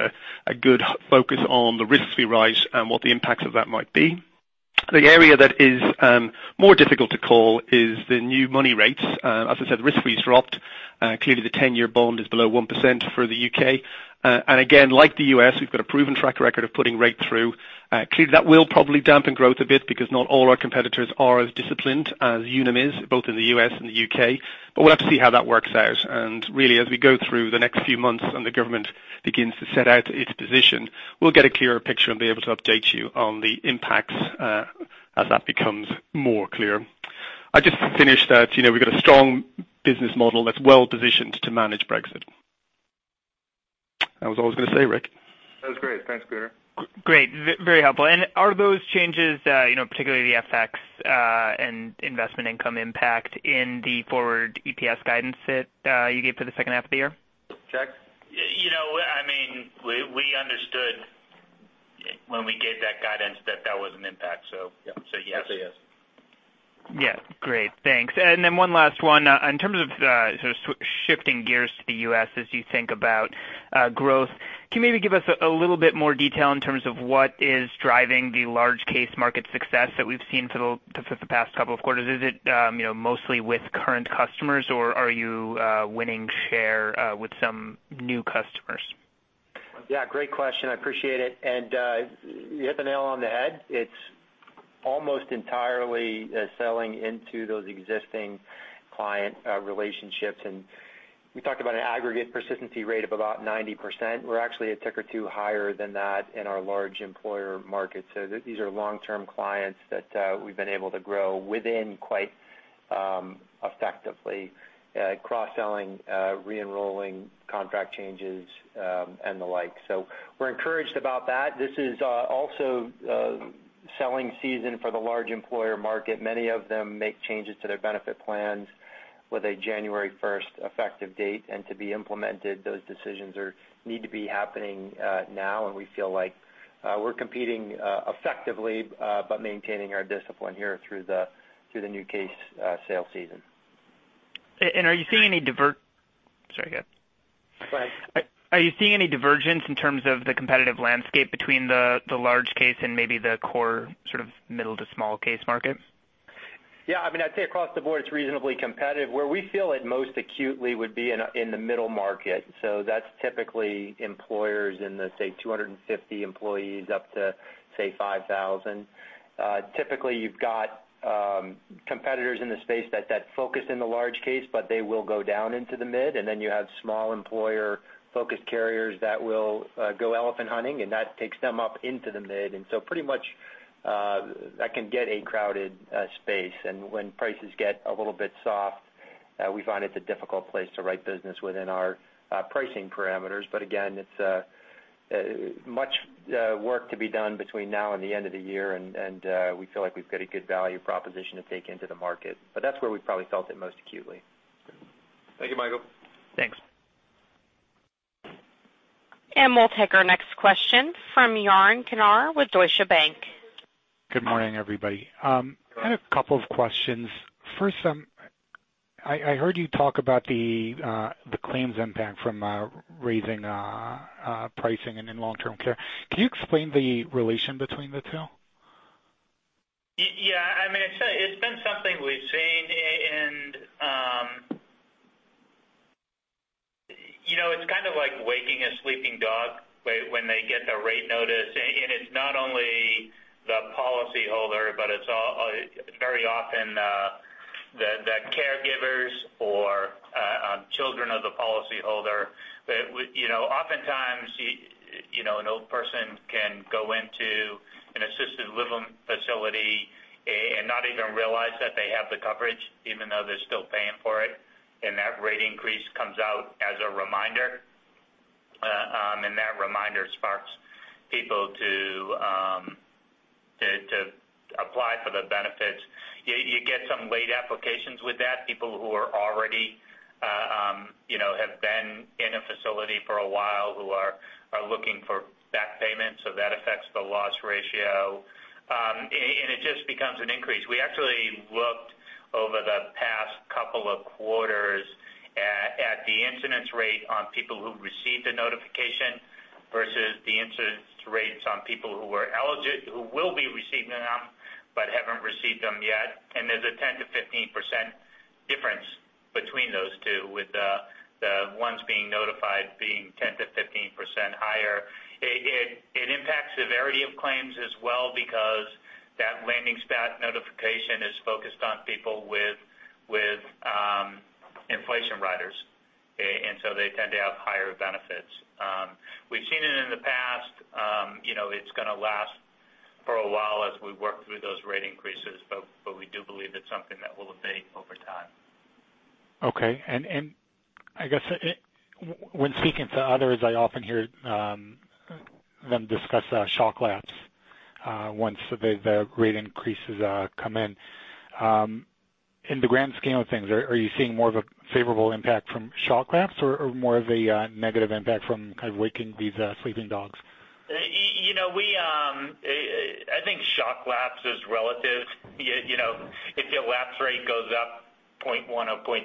a good focus on the risks we raise and what the impacts of that might be. The area that is more difficult to call is the new money rates. As I said, the risk-free dropped. Clearly, the 10-year bond is below 1% for the U.K. Again, like the U.S., we've got a proven track record of putting rate through. Clearly, that will probably dampen growth a bit because not all our competitors are as disciplined as Unum is, both in the U.S. and the U.K., but we'll have to see how that works out. Really, as we go through the next few months and the government begins to set out its position, we'll get a clearer picture and be able to update you on the impacts as that becomes more clear. I'd just finish that we've got a strong business model that's well-positioned to manage Brexit. That was all I was going to say, Rick. That was great. Thanks, Peter. Great. Very helpful. Are those changes, particularly the FX, and investment income impact in the forward EPS guidance that you gave for the second half of the year? Jack? We understood when we gave that guidance that that was an impact. Yes. I'd say yes. Yeah. Great. Thanks. One last one. In terms of sort of shifting gears to the U.S. as you think about growth, can you maybe give us a little bit more detail in terms of what is driving the large case market success that we've seen for the past couple of quarters? Is it mostly with current customers, or are you winning share with some new customers? Yeah, great question. I appreciate it. You hit the nail on the head. It's almost entirely selling into those existing client relationships. We talked about an aggregate persistency rate of about 90%. We're actually a tick or two higher than that in our large employer market. These are long-term clients that we've been able to grow within quite effectively, cross-selling, re-enrolling, contract changes, and the like. We're encouraged about that. This is also selling season for the large employer market. Many of them make changes to their benefit plans with a January 1st effective date, and to be implemented, those decisions need to be happening now, and we feel like we're competing effectively by maintaining our discipline here through the new case sales season. Are you seeing any Sorry, go ahead. Go ahead. Are you seeing any divergence in terms of the competitive landscape between the large case and maybe the core sort of middle to small case market? Yeah, I'd say across the board, it's reasonably competitive. Where we feel it most acutely would be in the middle market. That's typically employers in the, say, 250 employees up to, say, 5,000. Typically, you've got competitors in the space that focus in the large case, but they will go down into the mid, and then you have small employer-focused carriers that will go elephant hunting, and that takes them up into the mid. Pretty much that can get a crowded space. When prices get a little bit soft, we find it's a difficult place to write business within our pricing parameters. Again, it's a Much work to be done between now and the end of the year, and we feel like we've got a good value proposition to take into the market. That's where we probably felt it most acutely. Thank you, Michael. Thanks. We'll take our next question from Yaron Kinar with Deutsche Bank. Good morning, everybody. I have a couple of questions. First, I heard you talk about the claims impact from raising pricing in long-term care. Can you explain the relation between the two? Yeah. It's been something we've seen, and it's kind of like waking a sleeping dog when they get the rate notice. It's not only the policyholder, but it's very often the caregivers or children of the policyholder. Oftentimes, an old person can go into an assisted living facility and not even realize that they have the coverage, even though they're still paying for it. That rate increase comes out as a reminder, and that reminder sparks people to apply for the benefits. You get some late applications with that, people who have been in a facility for a while, who are looking for back payments. That affects the loss ratio. It just becomes an increase. We actually looked over the past couple of quarters at the incidence rate on people who've received the notification versus the incidence rates on people who will be receiving them but haven't received them yet. There's a 10%-15% difference between those two, with the ones being notified being 10%-15% higher. It impacts severity of claims as well because that landing spot notification is focused on people with inflation riders. They tend to have higher benefits. We've seen it in the past. It's going to last for a while as we work through those rate increases, we do believe it's something that will abate over time. Okay. I guess, when speaking to others, I often hear them discuss shock lapse once the rate increases come in. In the grand scheme of things, are you seeing more of a favorable impact from shock lapse or more of a negative impact from kind of waking these sleeping dogs? I think shock lapse is relative. If the lapse rate goes up 0.1% or 0.2%,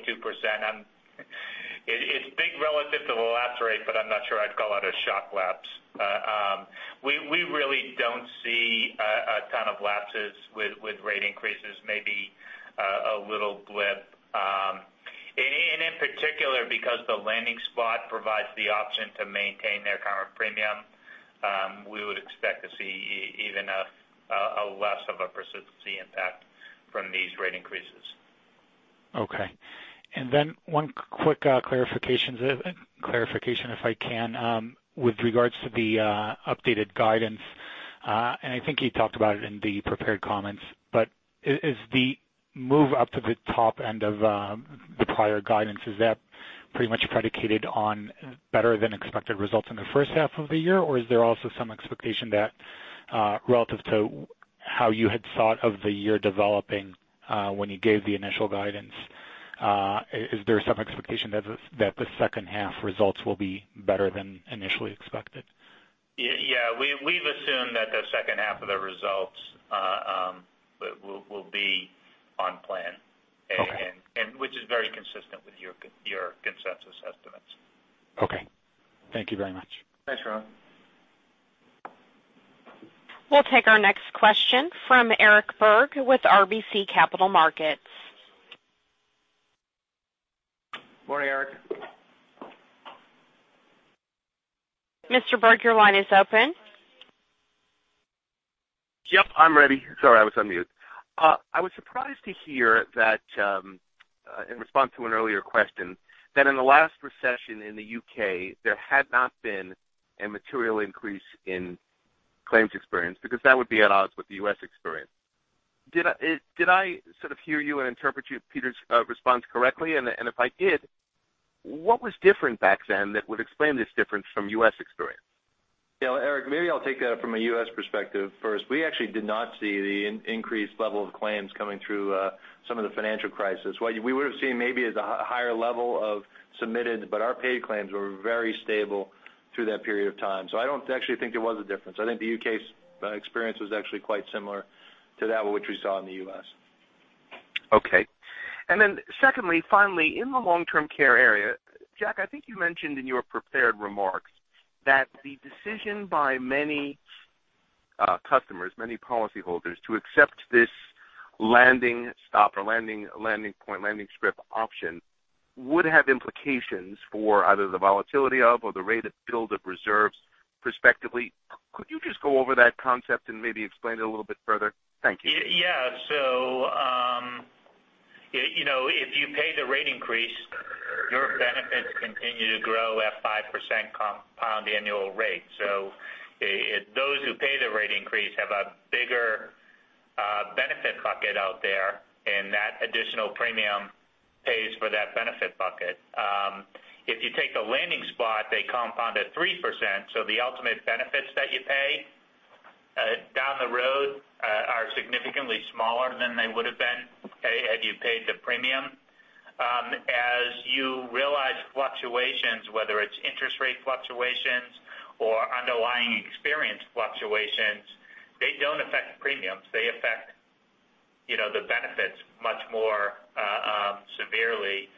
it's big relative to the lapse rate, I'm not sure I'd call it a shock lapse. We really don't see a ton of lapses with rate increases, maybe a little blip. In particular, because the landing spot provides the option to maintain their current premium, we would expect to see even a less of a persistency impact from these rate increases. Okay. One quick clarification if I can, with regards to the updated guidance. I think you talked about it in the prepared comments, is the move up to the top end of the prior guidance, is that pretty much predicated on better than expected results in the first half of the year? Or is there also some expectation that relative to how you had thought of the year developing when you gave the initial guidance, is there some expectation that the second half results will be better than initially expected? Yeah. We've assumed that the second half of the results will be on plan. Okay. Which is very consistent with your consensus estimates. Okay. Thank you very much. Thanks, Yaron. We'll take our next question from Eric Berg with RBC Capital Markets. Morning, Eric. Mr. Berg, your line is open. Yep, I'm ready. Sorry, I was on mute. I was surprised to hear that in response to an earlier question, that in the last recession in the U.K., there had not been a material increase in claims experience, because that would be at odds with the U.S. experience. Did I sort of hear you and interpret Peter's response correctly? If I did, what was different back then that would explain this difference from U.S. experience? Yeah. Eric, maybe I'll take that from a U.S. perspective first. We actually did not see the increased level of claims coming through some of the financial crisis. What we would've seen maybe is a higher level of submitted, but our paid claims were very stable through that period of time. I don't actually think there was a difference. I think the U.K.'s experience was actually quite similar to that which we saw in the U.S. Okay. Secondly, finally, in the long-term care area, Jack, I think you mentioned in your prepared remarks that the decision by many customers, many policyholders, to accept this landing spot option would have implications for either the volatility of or the rate of build of reserves prospectively. Could you just go over that concept and maybe explain it a little bit further? Thank you. Yeah. If you pay the rate increase, your benefits continue to grow at 5% compound annual rate. Those who pay the rate increase have a bigger bucket out there, and that additional premium pays for that benefit bucket. If you take the landing spot, they compound at 3%, the ultimate benefits that you pay down the road are significantly smaller than they would have been had you paid the premium. As you realize fluctuations, whether it's interest rate fluctuations or underlying experience fluctuations, they don't affect premiums. They affect the benefits much more severely.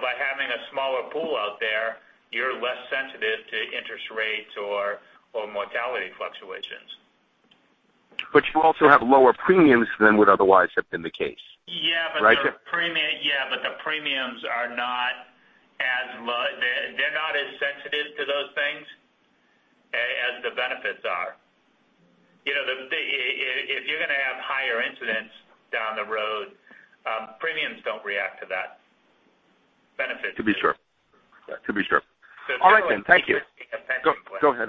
By having a smaller pool out there, you're less sensitive to interest rates or mortality fluctuations. You also have lower premiums than would otherwise have been the case. Yeah. Right? They're not as sensitive to those things, A, as the benefits are. If you're going to have higher incidents down the road, premiums don't react to that. Benefits do. To be sure. All right then. Thank you. It's a little like de-risking a pension plan. Go ahead.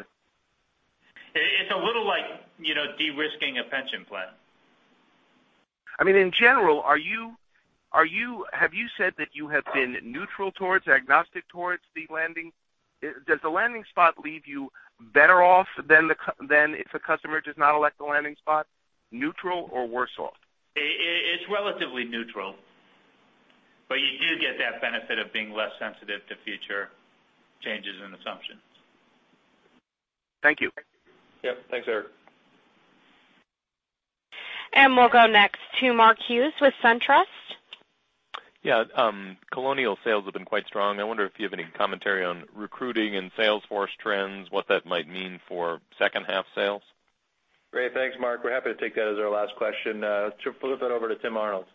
It's a little like de-risking a pension plan. In general, have you said that you have been neutral towards, agnostic towards the landing? Does the landing spot leave you better off than if a customer does not elect the landing spot, neutral or worse off? It's relatively neutral, but you do get that benefit of being less sensitive to future changes in assumptions. Thank you. Yep. Thanks, Eric. We'll go next to Mark Hughes with SunTrust. Yeah. Colonial sales have been quite strong. I wonder if you have any commentary on recruiting and sales force trends, what that might mean for second half sales. Great. Thanks, Mark. We're happy to take that as our last question. Flip it over to Tim Arnold.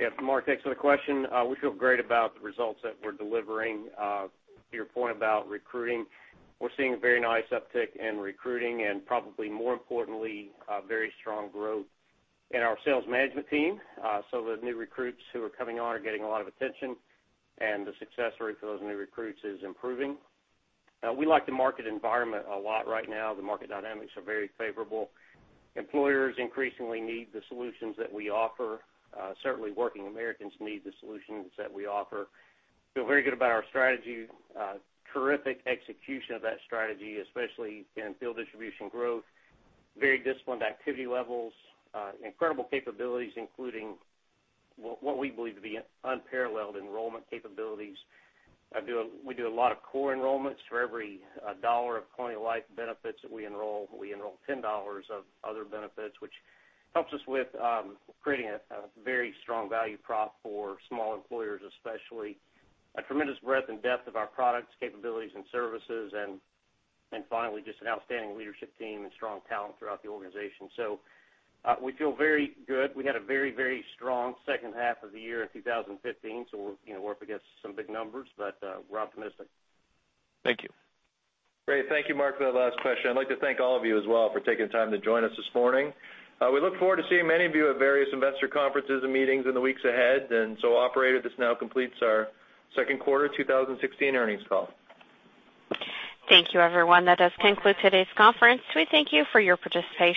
Yep. Mark, thanks for the question. We feel great about the results that we're delivering. To your point about recruiting, we're seeing a very nice uptick in recruiting and probably more importantly, very strong growth in our sales management team. Those new recruits who are coming on are getting a lot of attention, and the success rate for those new recruits is improving. We like the market environment a lot right now. The market dynamics are very favorable. Employers increasingly need the solutions that we offer. Certainly, working Americans need the solutions that we offer. Feel very good about our strategy. Terrific execution of that strategy, especially in field distribution growth, very disciplined activity levels, incredible capabilities, including what we believe to be unparalleled enrollment capabilities. We do a lot of core enrollments. For every dollar of Colonial Life benefits that we enroll, we enroll $10 of other benefits, which helps us with creating a very strong value prop for small employers, especially. A tremendous breadth and depth of our products, capabilities, and services. Finally, just an outstanding leadership team and strong talent throughout the organization. We feel very good. We had a very strong second half of the year in 2015, so we're up against some big numbers, but we're optimistic. Thank you. Great. Thank you, Mark, for that last question. I'd like to thank all of you as well for taking the time to join us this morning. We look forward to seeing many of you at various investor conferences and meetings in the weeks ahead. Operator, this now completes our second quarter 2016 earnings call. Thank you, everyone. That does conclude today's conference. We thank you for your participation.